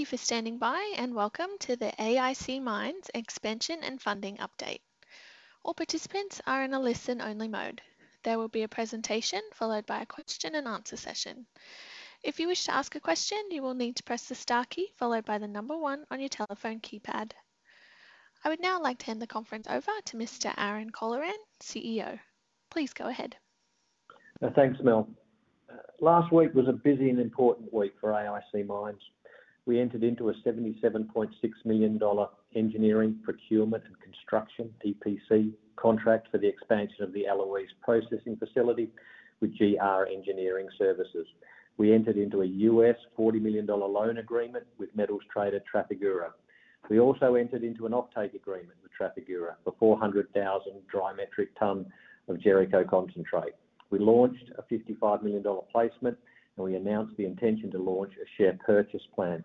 Thank you for standing by, and welcome to the AIC Mines Aaron Colleran Expansion and Funding Update. All participants are in a listen-only mode. There will be a presentation followed by a question-and-answer session. If you wish to ask a question, you will need to press the star key followed by the number one on your telephone keypad. I would now like to hand the conference over to Mr. Aaron Colleran, CEO. Please go ahead. Thanks, Mel. Last week was a busy and important week for AIC Mines. We entered into an 77.6 million dollar engineering, procurement, and construction (EPC) contract for the expansion of the Eloise processing facility with GR Engineering Services. We entered into a $40 million loan agreement with metals trader Trafigura. We also entered into an offtake agreement with Trafigura for 400,000 dry metric tons of Jericho concentrate. We launched an 55 million dollar placement, and we announced the intention to launch a share purchase plan.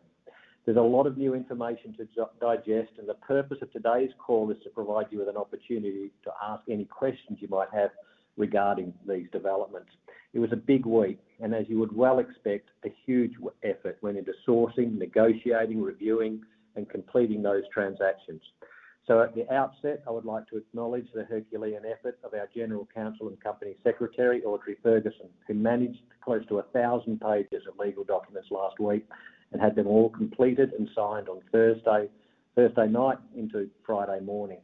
There's a lot of new information to digest, and the purpose of today's call is to provide you with an opportunity to ask any questions you might have regarding these developments. It was a big week, and as you would well expect, a huge effort went into sourcing, negotiating, reviewing, and completing those transactions. At the outset, I would like to acknowledge the Herculean effort of our General Counsel and Company Secretary, Audrey Ferguson, who managed close to 1,000 pages of legal documents last week and had them all completed and signed on Thursday night into Friday morning.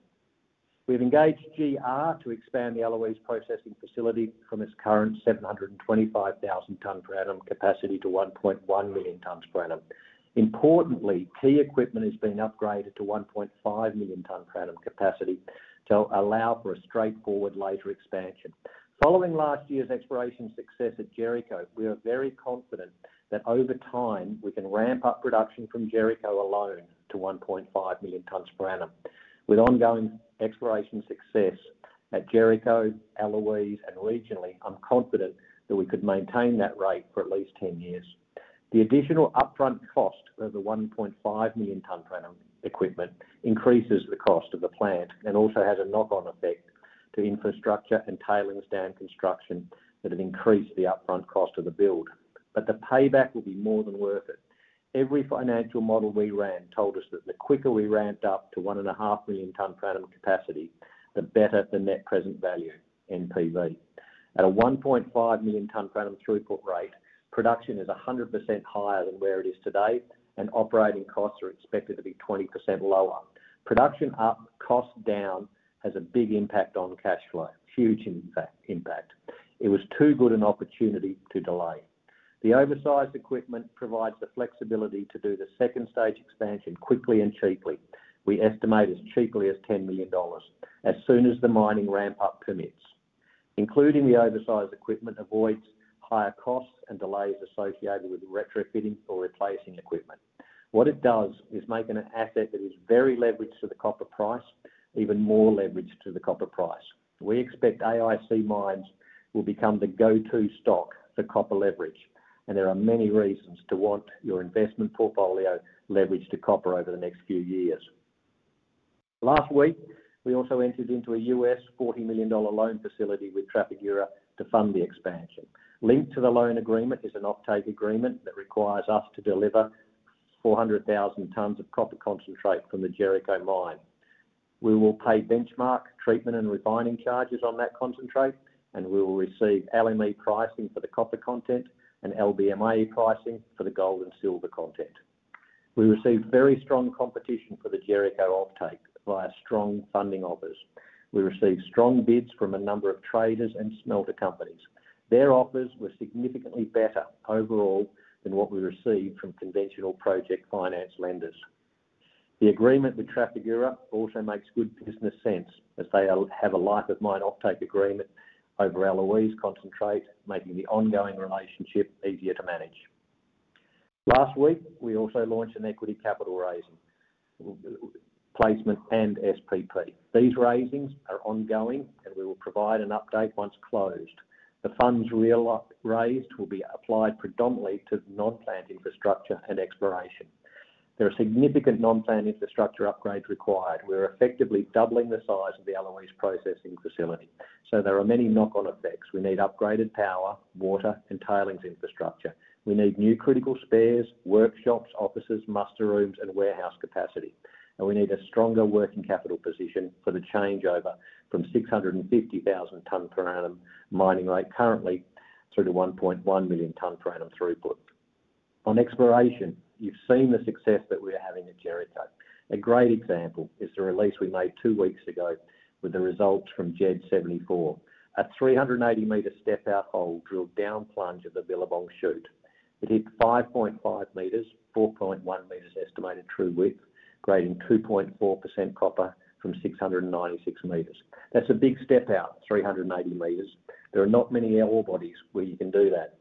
We've engaged GR Engineering Services to expand the Eloise processing facility from its current 725,000 tonne per annum capacity to 1.1 million tonne per annum. Importantly, key equipment has been upgraded to 1.5 million tonne per annum capacity to allow for a straightforward later expansion. Following last year's exploration success at Jericho, we are very confident that over time we can ramp up production from Jericho alone to 1.5 million tonne per annum. With ongoing exploration success at Jericho, Eloise, and regionally, I'm confident that we could maintain that rate for at least 10 years. The additional upfront cost of the 1.5 million tonne per annum equipment increases the cost of the plant and also has a knock-on effect to infrastructure and tailings dam construction that have increased the upfront cost of the build. The payback will be more than worth it. Every financial model we ran told us that the quicker we ramped up to 1.5 million tonne per annum capacity, the better the net present value (NPV). At a 1.5 million tonne per annum throughput rate, production is 100% higher than where it is today, and operating costs are expected to be 20% lower. Production up, cost down has a big impact on cash flow. Huge impact. It was too good an opportunity to delay. The oversized equipment provides the flexibility to do the second stage expansion quickly and cheaply. We estimate as cheaply as $10 million as soon as the mining ramp-up permits. Including the oversized equipment avoids higher costs and delays associated with retrofitting or replacing equipment. What it does is make an asset that is very leveraged to the copper price even more leveraged to the copper price. We expect AIC Mines will become the go-to stock for copper leverage, and there are many reasons to want your investment portfolio leveraged to copper over the next few years. Last week, we also entered into a U.S. $40 million loan facility with Trafigura to fund the expansion. Linked to the loan agreement is an offtake agreement that requires us to deliver 400,000 tonne of copper concentrate from the Jericho mine. We will pay benchmark, treatment, and refining charges on that concentrate, and we will receive LME pricing for the copper content and LBMA pricing for the gold and silver content. We received very strong competition for the Jericho offtake via strong funding offers. We received strong bids from a number of traders and smelter companies. Their offers were significantly better overall than what we received from conventional project finance lenders. The agreement with Trafigura also makes good business sense as they have a life-of-mine offtake agreement over Eloise concentrate, making the ongoing relationship easier to manage. Last week, we also launched an equity capital raising placement and SPP. These raisings are ongoing, and we will provide an update once closed. The funds raised will be applied predominantly to non-plant infrastructure and exploration. There are significant non-plant infrastructure upgrades required. We're effectively doubling the size of the Eloise processing facility, so there are many knock-on effects. We need upgraded power, water, and tailings infrastructure. We need new critical spares, workshops, offices, muster rooms, and warehouse capacity. We need a stronger working capital position for the changeover from 650,000 tonne per annum mining rate currently through to 1.1 million tonne per annum throughput. On exploration, you've seen the success that we're having at Jericho. A great example is the release we made two weeks ago with the results from JED-74. A 380-meter step-out hole drilled down plunge at the Billabong chute. It hit 5.5 meters, 4.1 meters estimated true width, grading 2.4% copper from 696 meters. That's a big step out 380 meters. There are not many ore bodies where you can do that.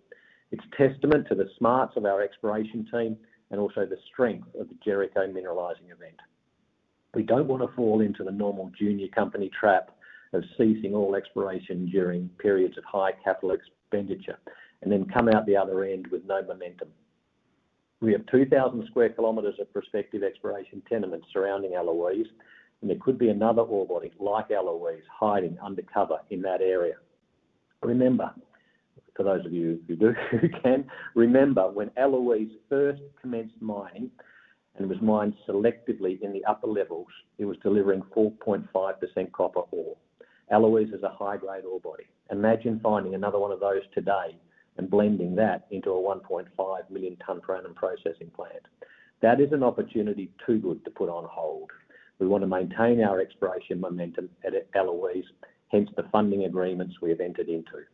It's testament to the smarts of our exploration team and also the strength of the Jericho mineralizing event. We don't want to fall into the normal junior company trap of ceasing all exploration during periods of high capital expenditure and then come out the other end with no momentum. We have 2,000 sq km of prospective exploration tenements surrounding Eloise, and there could be another ore body like Eloise hiding undercover in that area. Remember, for those of you who can, remember when Eloise first commenced mining and was mined selectively in the upper levels, it was delivering 4.5% copper ore. Eloise is a high-grade ore body. Imagine finding another one of those today and blending that into a 1.5 million tonne per annum processing plant. That is an opportunity too good to put on hold. We want to maintain our exploration momentum at Eloise, hence the funding agreements we have entered into.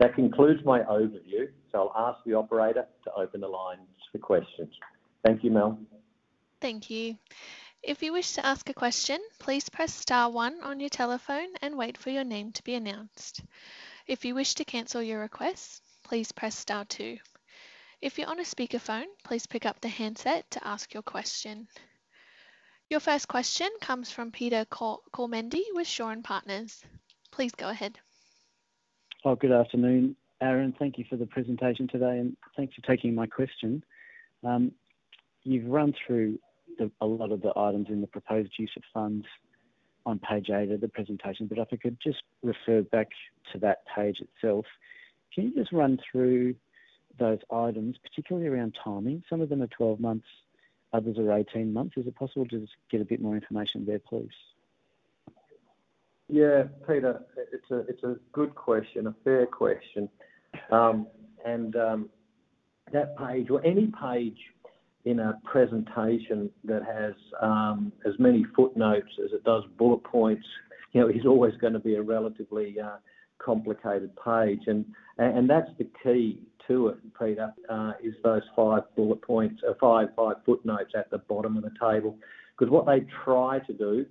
That concludes my overview, so I'll ask the operator to open the lines for questions. Thank you, Mel. Thank you. If you wish to ask a question, please press star one on your telephone and wait for your name to be announced. If you wish to cancel your request, please press star two. If you're on a speakerphone, please pick up the handset to ask your question. Your first question comes from Peter Kormendi with Shore Partners. Please go ahead. Oh, good afternoon, Aaron. Thank you for the presentation today, and thanks for taking my question. You've run through a lot of the items in the proposed use of funds on page eight of the presentation, but if I could just refer back to that page itself. Can you just run through those items, particularly around timing? Some of them are 12 months, others are 18 months. Is it possible to just get a bit more information there, please? Yeah, Peter, it's a good question, a fair question. That page, or any page in a presentation that has as many footnotes as it does bullet points, is always going to be a relatively complicated page. That's the key to it, Peter, is those five bullet points, five footnotes at the bottom of the table. What they try to do,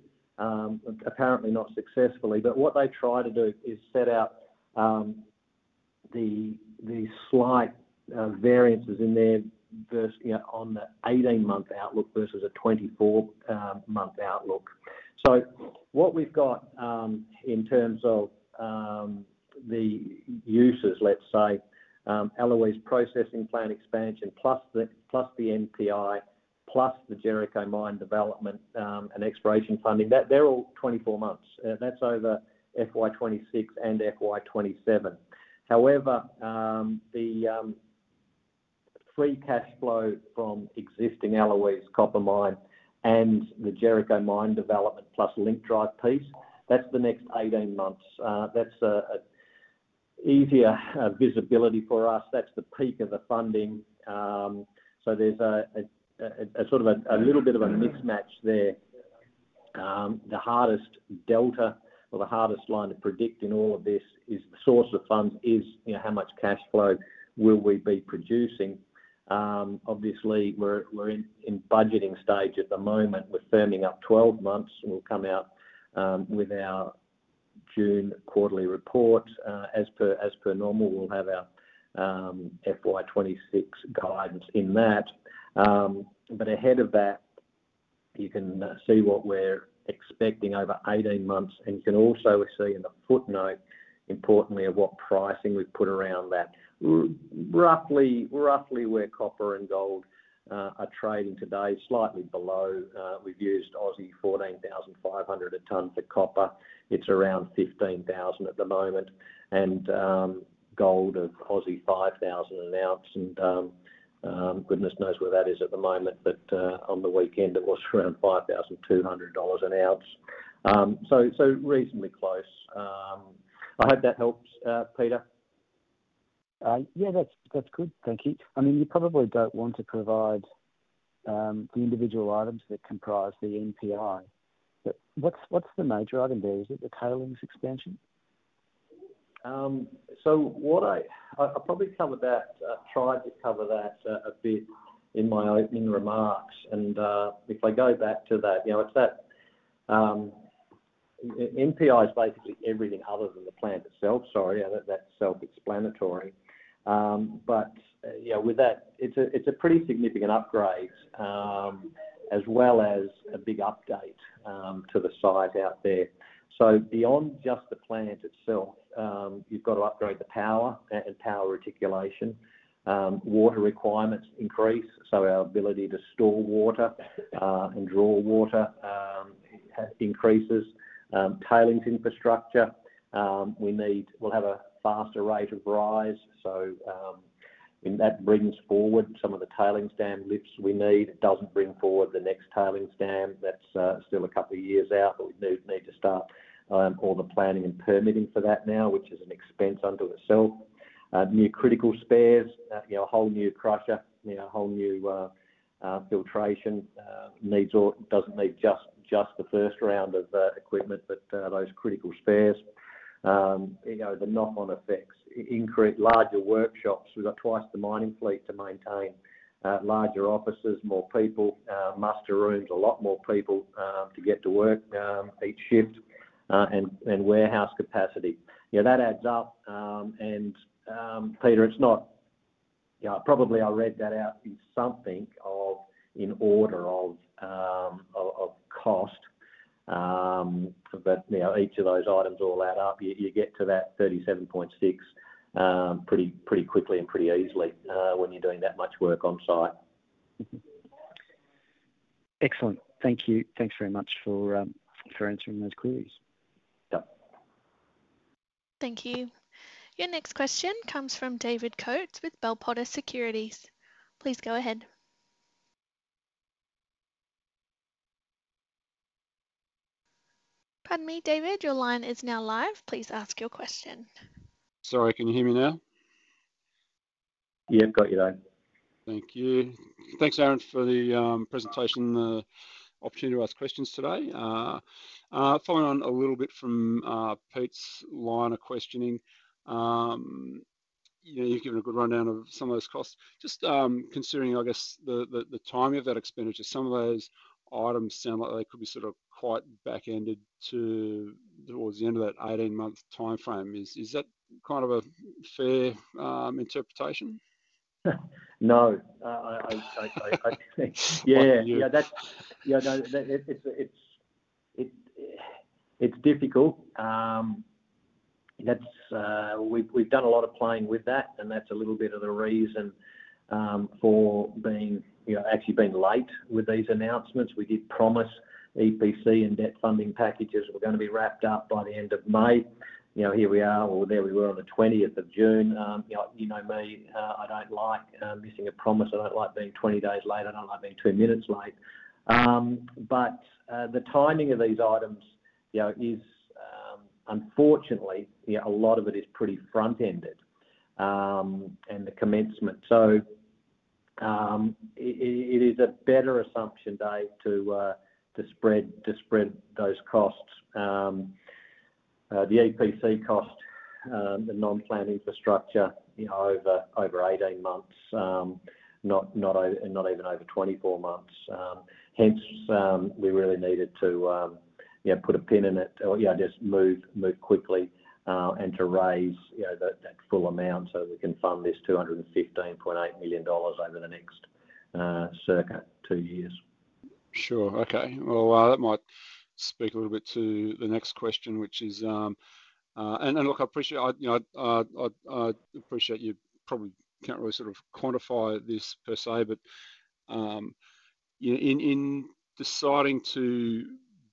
apparently not successfully, is set out the slight variances in there on the 18-month outlook versus a 24-month outlook. What we've got in terms of the uses, let's say, Eloise processing plant expansion + the NPI + the Jericho mine development and exploration funding, they're all 24 months. That's over FY2026 and FY2027. However, the free cash flow from existing Eloise copper mine and the Jericho mine development plus link drive piece, that's the next 18 months. That's easier visibility for us. That's the peak of the funding. There is a sort of a little bit of a mismatch there. The hardest delta or the hardest line to predict in all of this is the source of funds, is how much cash flow will we be producing. Obviously, we're in budgeting stage at the moment. We're firming up 12 months. We'll come out with our June quarterly report. As per normal, we'll have our FY2026 guidance in that. Ahead of that, you can see what we're expecting over 18 months. You can also see in the footnote, importantly, what pricing we've put around that, roughly where copper and gold are trading today, slightly below. We've used 14,500 a tonne for copper. It's around 15,000 at the moment. Gold of 5,000 an ounce. Goodness knows where that is at the moment, but on the weekend, it was around $5,200 an ounce. So reasonably close. I hope that helps, Peter. Yeah, that's good. Thank you. I mean, you probably don't want to provide the individual items that comprise the NPV, but what's the major item there? Is it the tailings expansion? I probably covered that, tried to cover that a bit in my opening remarks. If I go back to that, it's that NPI is basically everything other than the plant itself. Sorry, that's self-explanatory. With that, it's a pretty significant upgrade as well as a big update to the size out there. Beyond just the plant itself, you've got to upgrade the power and power reticulation. Water requirements increase, so our ability to store water and draw water increases. Tailings infrastructure, we'll have a faster rate of rise. That brings forward some of the tailings dam lifts we need. It doesn't bring forward the next tailings dam. That's still a couple of years out, but we need to start all the planning and permitting for that now, which is an expense unto itself. New critical spares, a whole new crusher, a whole new filtration needs or doesn't need just the first round of equipment, but those critical spares. The knock-on effects, larger workshops. We've got twice the mining fleet to maintain. Larger offices, more people, muster rooms, a lot more people to get to work each shift, and warehouse capacity. That adds up. Peter, it's not probably I read that out in something of in order of cost, but each of those items all add up. You get to that 37.6 million pretty quickly and pretty easily when you're doing that much work on site. Excellent. Thank you. Thanks very much for answering those queries. Yep. Thank you. Your next question comes from David Coates with Bell Potter Securities. Please go ahead. Pardon me, David, your line is now live. Please ask your question. Sorry, can you hear me now? Yeah, I've got you there. Thank you. Thanks, Aaron, for the presentation, the opportunity to ask questions today. Following on a little bit from Pete's line of questioning, you've given a good rundown of some of those costs. Just considering, I guess, the timing of that expenditure, some of those items sound like they could be sort of quite back-ended towards the end of that 18-month timeframe. Is that kind of a fair interpretation? No. Yeah. It's difficult. We've done a lot of playing with that, and that's a little bit of the reason for actually being late with these announcements. We did promise EPC and debt funding packages were going to be wrapped up by the end of May. Here we are, or there we were on the 20th of June. You know me, I don't like missing a promise. I don't like being 20 days late. I don't like being two minutes late. The timing of these items is, unfortunately, a lot of it is pretty front-ended. The commencement. It is a better assumption, Dave, to spread those costs, the EPC cost, the non-plant infrastructure over 18 months, not even over 24 months. Hence, we really needed to put a pin in it or just move quickly and to raise that full amount so we can fund this 215.8 million dollars over the next circa two years. Sure. Okay. That might speak a little bit to the next question, which is, and look, I appreciate you probably can't really sort of quantify this per se, but in deciding to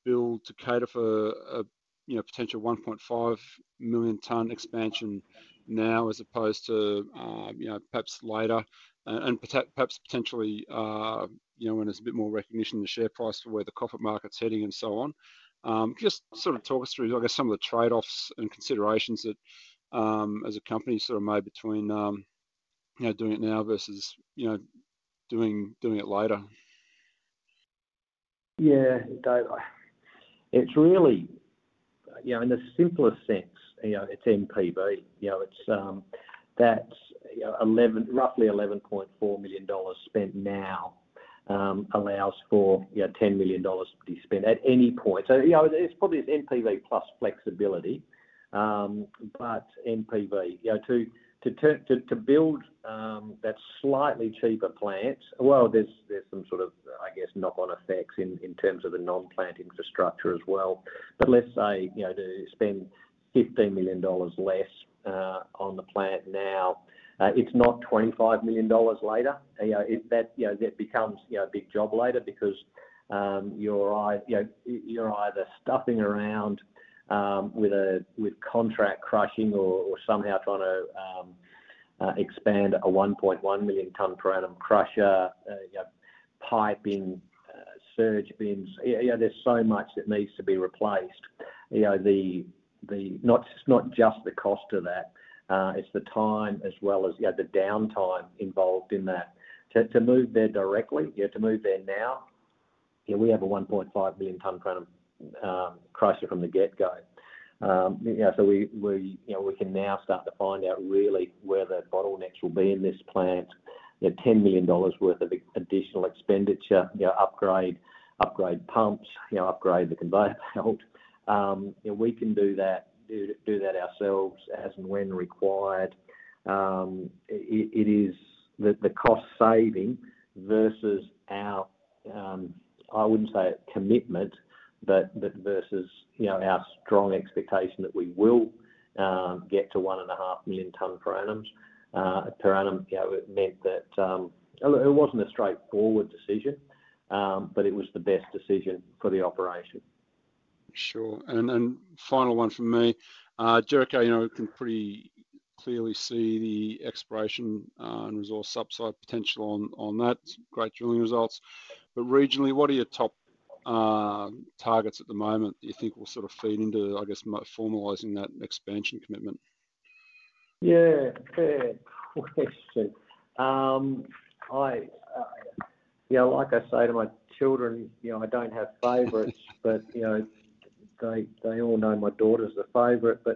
build to cater for a potential 1.5 million tonne expansion now as opposed to perhaps later and perhaps potentially when there's a bit more recognition in the share price for where the copper market's heading and so on, just sort of talk us through, I guess, some of the trade-offs and considerations that as a company sort of made between doing it now versus doing it later. Yeah. It's really, in the simplest sense, it's NPV. That's roughly 11.4 million dollars spent now allows for 10 million dollars to be spent at any point. It's probably NPV + flexibility, but NPV. To build that slightly cheaper plant, there's some sort of, I guess, knock-on effects in terms of the non-plant infrastructure as well. Let's say to spend 15 million dollars less on the plant now, it's not 25 million dollars later. That becomes a big job later because you're either stuffing around with contract crushing or somehow trying to expand a 1.1 million tonne per annum crusher, pipe in, surge bins. There's so much that needs to be replaced. It's not just the cost of that. It's the time as well as the downtime involved in that. To move there directly, to move there now, we have a 1.5 million tonne per annum crusher from the get-go. We can now start to find out really where the bottlenecks will be in this plant. 10 million dollars worth of additional expenditure, upgrade pumps, upgrade the conveyor belt. We can do that ourselves as and when required. It is the cost saving versus our, I would not say commitment, but versus our strong expectation that we will get to 1.5 million tonne per annum. It meant that it was not a straightforward decision, but it was the best decision for the operation. Sure. Final one for me. Jericho, you know I can pretty clearly see the exploration and resource upside potential on that. Great drilling results. Regionally, what are your top targets at the moment that you think will sort of feed into, I guess, formalizing that expansion commitment? Yeah. Yeah. Like I say to my children, I don't have favorites, but they all know my daughter's the favorite. So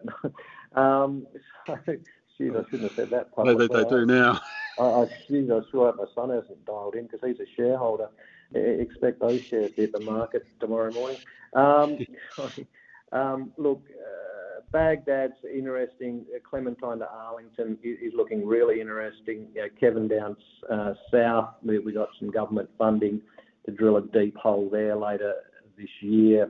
shoot, I shouldn't have said that. They do now. I shoot. I'm sure my son hasn't dialed in because he's a shareholder. Expect those shares to hit the market tomorrow morning. Look, Baghdad's interesting. Clementine to Arlington is looking really interesting. Kevondown's south. We've got some government funding to drill a deep hole there later this year.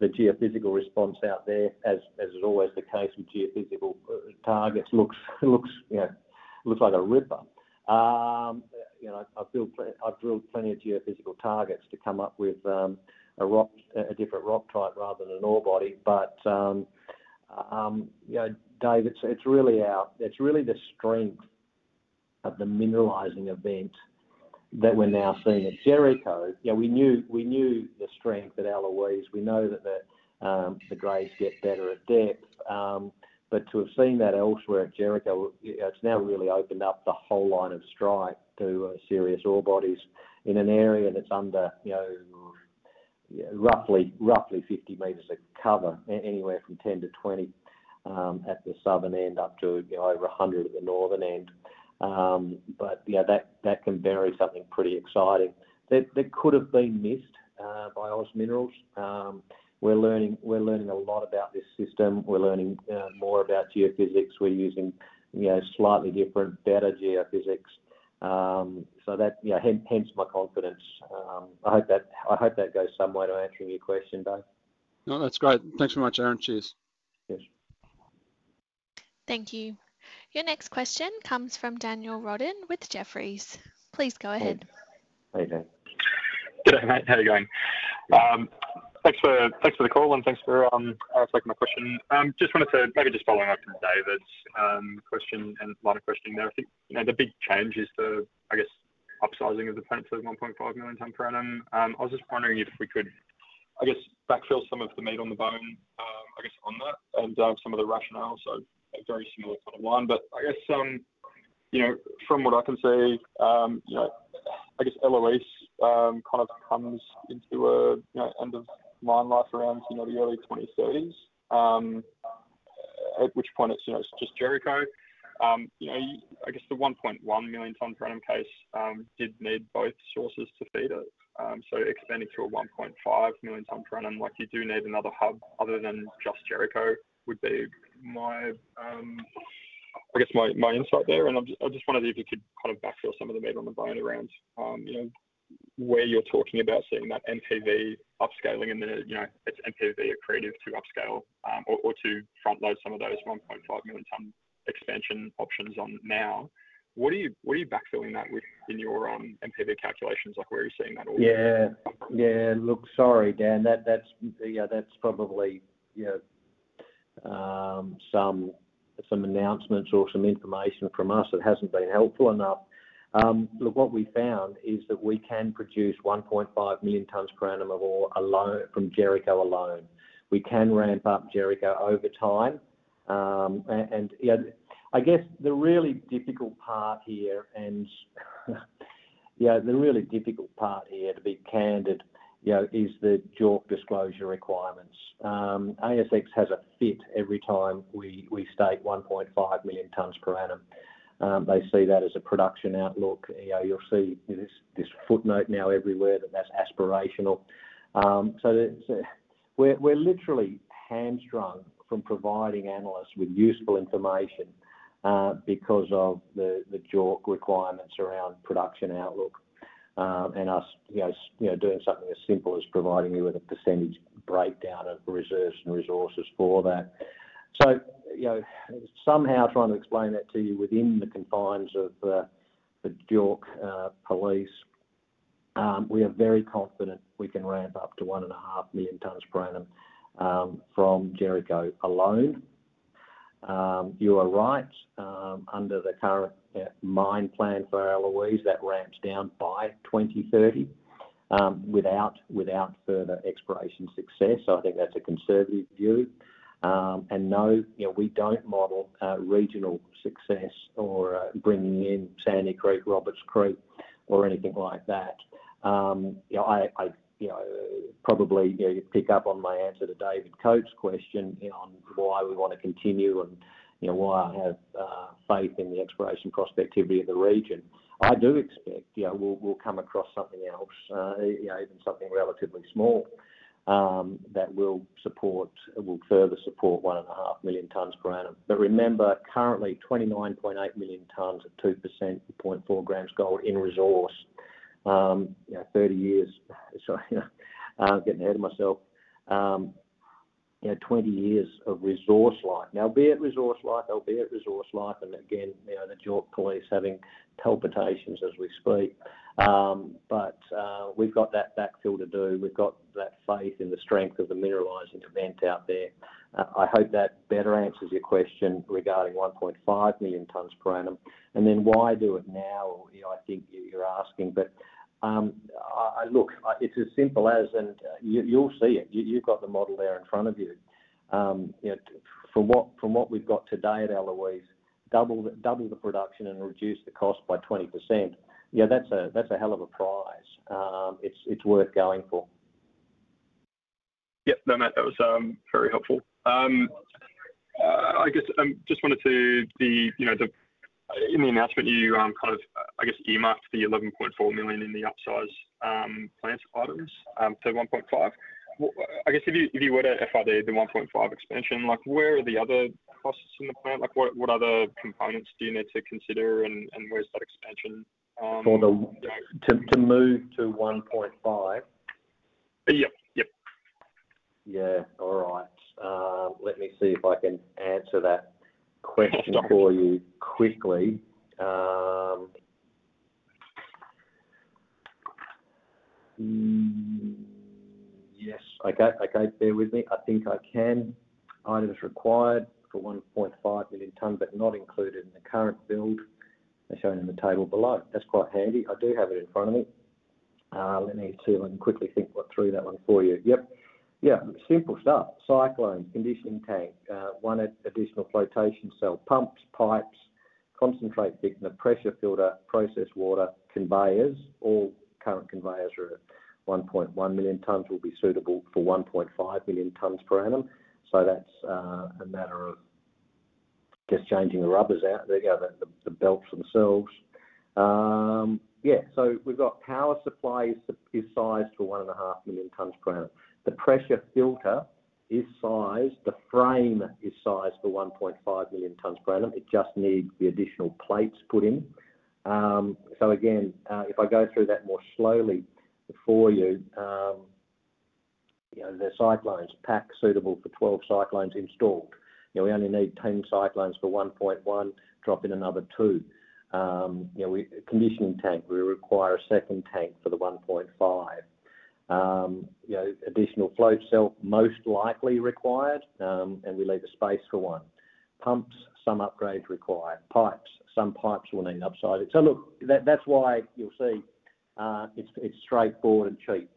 The geophysical response out there, as is always the case with geophysical targets, looks like a ripper. I've drilled plenty of geophysical targets to come up with a different rock type rather than an ore body. Dave, it's really the strength of the mineralizing event that we're now seeing. Jericho, we knew the strength at Eloise. We know that the grades get better at depth. To have seen that elsewhere at Jericho, it's now really opened up the whole line of strike to serious ore bodies in an area that's under roughly 50 meters of cover, anywhere from 10-20 at the southern end up to over 100 at the northern end. That can bury something pretty exciting that could have been missed by us minerals. We're learning a lot about this system. We're learning more about geophysics. We're using slightly different, better geophysics. Hence my confidence. I hope that goes some way to answering your question, Dave. No, that's great. Thanks very much, Aaron. Cheers. Thank you. Your next question comes from Daniel Roden with Jefferies. Please go ahead. Hey, Dave. How are you going? Thanks for the call and thanks for taking my question. Just wanted to maybe just follow up on David's question and line of questioning there. I think the big change is the, I guess, upsizing of the plants to 1.5 million tonne per annum. I was just wondering if we could, I guess, backfill some of the meat on the bone, I guess, on that and some of the rationale. A very similar kind of line. I guess from what I can see, Eloise kind of comes into an end-of-mine life around the early 2030s, at which point it's just Jericho. I guess the 1.1 million tonne per annum case did need both sources to feed it. Expanding to a 1.5 million tonne per annum, you do need another hub other than just Jericho would be my, I guess, my insight there. I just wondered if you could kind of backfill some of the meat on the bone around where you're talking about seeing that NPV upscaling and its NPV accredited to upscale or to front-load some of those 1.5 million tonne expansion options on now. What are you backfilling that with in your NPV calculations? Where are you seeing that all come from? Yeah. Yeah. Look, sorry, Dan. That's probably some announcements or some information from us that hasn't been helpful enough. Look, what we found is that we can produce 1.5 million tonne per annum from Jericho alone. We can ramp up Jericho over time. I guess the really difficult part here, and the really difficult part here, to be candid, is the JORC disclosure requirements. ASX has a fit every time we state 1.5 million tonne per annum. They see that as a production outlook. You'll see this footnote now everywhere that that's aspirational. We're literally hamstrung from providing analysts with useful information because of the JORC requirements around production outlook and us doing something as simple as providing you with a percentage breakdown of reserves and resources for that. Somehow trying to explain that to you within the confines of the JORC police, we are very confident we can ramp up to 1.5 million tonne per annum from Jericho alone. You are right. Under the current mine plan for Eloise, that ramps down by 2030 without further exploration success. I think that is a conservative view. No, we do not model regional success or bringing in Sandy Creek, Roberts Creek, or anything like that. Probably you pick up on my answer to David Coates' question on why we want to continue and why I have faith in the exploration prospectivity of the region. I do expect we will come across something else, even something relatively small, that will further support 1.5 million tonne per annum. Remember, currently, 29.8 million tonne of 2% copper, 0.4 grams gold in resource. Thirty years—sorry, I'm getting ahead of myself—twenty years of resource life. Now, be it resource life, albeit resource life, and again, the JORC police having palpitations as we speak. But we've got that backfill to do. We've got that faith in the strength of the mineralizing event out there. I hope that better answers your question regarding 1.5 million tonne per annum. And then why do it now, I think you're asking. Look, it's as simple as, and you'll see it. You've got the model there in front of you. From what we've got today at Eloise, double the production and reduce the cost by 20%, that's a hell of a prize. It's worth going for. Yep. No, mate. That was very helpful. I guess I just wanted to see the, in the announcement, you kind of, I guess, earmarked the 11.4 million in the upsize plant items to 1.5 million. I guess if you were to FID the 1.5 expansion, where are the other costs in the plant? What other components do you need to consider, and where's that expansion? For the to move to 1.5? Yep. Yep. Yeah. All right. Let me see if I can answer that question for you quickly. Yes. Okay. Okay. Bear with me. I think I can. Items required for 1.5 million tonne but not included in the current build. They're shown in the table below. That's quite handy. I do have it in front of me. Let me see if I can quickly think through that one for you. Yep. Yeah. Simple stuff. Cyclones, conditioning tank, one additional flotation cell, pumps, pipes, concentrate thickener, pressure filter, processed water, conveyors. All current conveyors at 1.1 million tonne will be suitable for 1.5 million tonne per annum. That's a matter of, I guess, changing the rubbers out, the belts themselves. Yeah. We've got power supply is sized for 1.5 million tonne per annum. The pressure filter is sized. The frame is sized for 1.5 million tonne per annum. It just needs the additional plates put in. If I go through that more slowly for you, the cyclones pack suitable for 12 cyclones installed. We only need 10 cyclones for 1.1, drop in another 2. Conditioning tank, we require a second tank for the 1.5. Additional float cell most likely required, and we leave the space for one. Pumps, some upgrades required. Pipes, some pipes will need upsizing. Look, that's why you'll see it's straightforward and cheap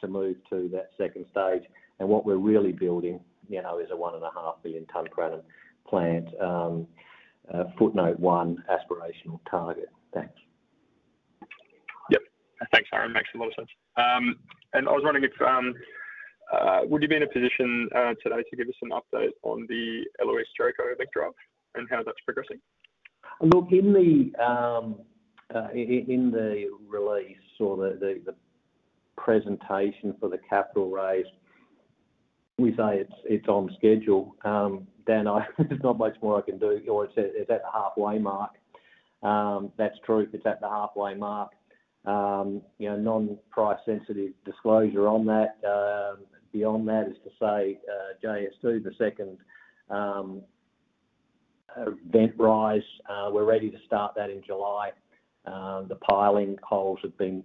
to move to that second stage. What we're really building is a 1.5 million tonne per annum plant. Footnote one, aspirational target. Thanks. Yep. Thanks, Aaron. Makes a lot of sense. I was wondering if you would be in a position today to give us an update on the Eloise, Jericho electorate and how that's progressing? Look, in the release or the presentation for the capital raise, we say it's on schedule. Dan, there's not much more I can do. Or is that the halfway mark? That's true. It's at the halfway mark. Non-price sensitive disclosure on that. Beyond that is to say JS2, the second vent rise. We're ready to start that in July. The piling holes have been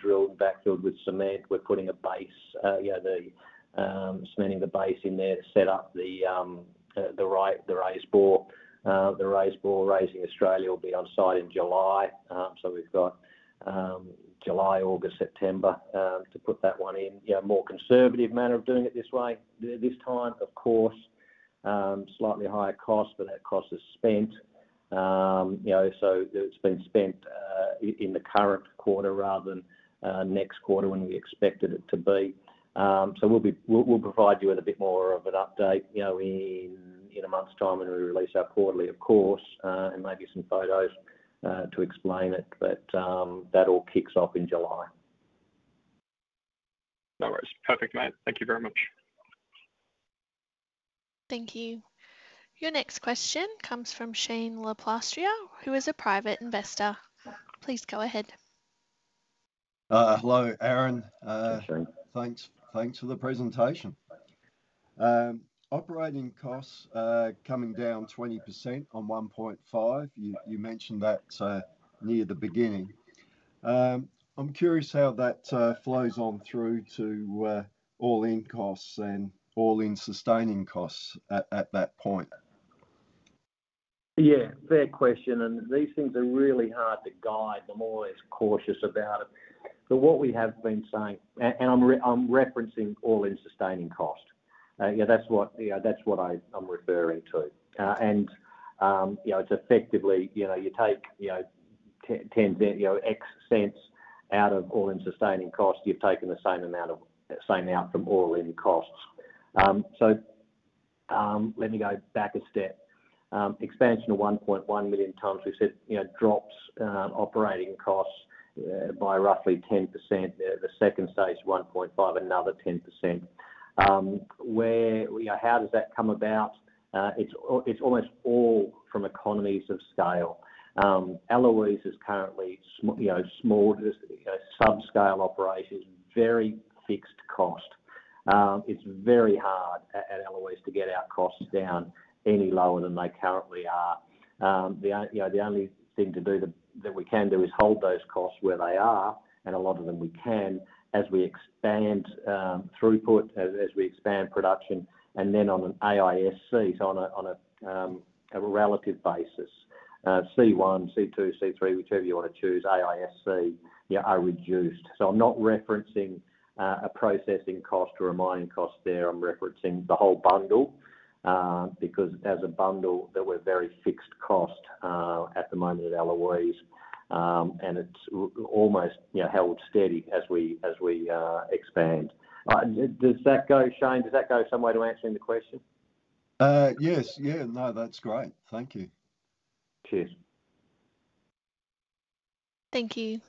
drilled and backfilled with cement. We're putting a base, cementing the base in there to set up the raised bore. The raised bore Raising Australia will be on site in July. We have July, August, September to put that one in. More conservative manner of doing it this way this time, of course. Slightly higher cost, but that cost is spent. So it's been spent in the current quarter rather than next quarter when we expected it to be. We'll provide you with a bit more of an update in a month's time when we release our quarterly, of course, and maybe some photos to explain it. That all kicks off in July. No worries. Perfect, mate. Thank you very much. Thank you. Your next question comes from Shane Le plastrier, who is a private investor. Please go ahead. Hello, Aaron. Thanks for the presentation. Operating costs coming down 20% on 1.5. You mentioned that near the beginning. I'm curious how that flows on through to all-in costs and all-in sustaining costs at that point. Yeah. Fair question. These things are really hard to guide. I'm always cautious about it. What we have been saying, and I'm referencing all-in sustaining cost. Yeah, that's what I'm referring to. It's effectively you take 10 cents out of all-in sustaining cost. You've taken the same amount out from all-in costs. Let me go back a step. Expansion of 1.1 million tonnes, we said drops operating costs by roughly 10%. The second stage, 1.5, another 10%. How does that come about? It's almost all from economies of scale. Eloise is currently small, subscale operations, very fixed cost. It's very hard at Eloise to get our costs down any lower than they currently are. The only thing that we can do is hold those costs where they are. A lot of them we can as we expand throughput, as we expand production. On an AISC, so on a relative basis, C1, C2, C3, whichever you want to choose, AISC are reduced. I'm not referencing a processing cost or a mining cost there. I'm referencing the whole bundle because as a bundle, we're very fixed cost at the moment at Eloise. It's almost held steady as we expand. Does that go, Shane? Does that go somewhere to answering the question? Yes. Yeah. No, that's great. Thank you. Cheers. Thank you.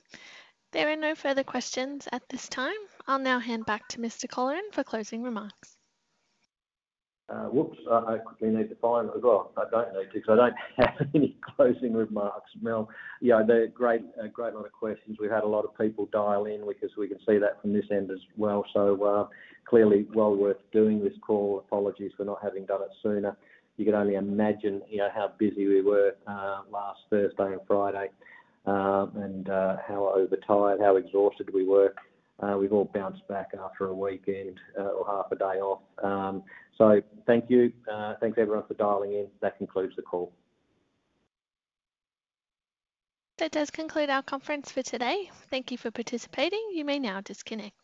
There are no further questions at this time. I'll now hand back to Mr. Colleran for closing remarks. Whoops. I quickly need to find it as well. I do not need to because I do not have any closing remarks. Yeah. Great lot of questions. We have had a lot of people dial in because we can see that from this end as well. Clearly, well worth doing this call. Apologies for not having done it sooner. You could only imagine how busy we were last Thursday and Friday and how overtired, how exhausted we were. We have all bounced back after a weekend or half a day off. Thank you. Thanks, everyone, for dialing in. That concludes the call. That does conclude our conference for today. Thank you for participating. You may now disconnect.